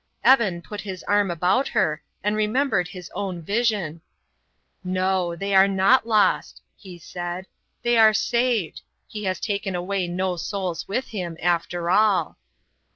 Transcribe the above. Evan put his arm about her, and remembered his own vision. "No, they are not lost," he said. "They are saved. He has taken away no souls with him, after all."